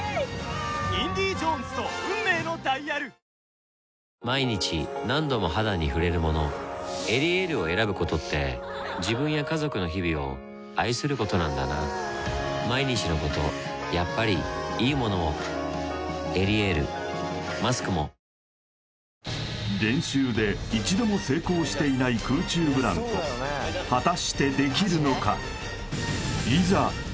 わかるぞ毎日何度も肌に触れるもの「エリエール」を選ぶことって自分や家族の日々を愛することなんだなぁ「エリエール」マスクも練習で１度も成功していない空中ブランコ果たしてできるのか